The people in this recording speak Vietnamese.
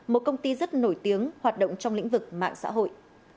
một công ty rất nổi tiếng hoạt động trong lĩnh vực mạng xã hội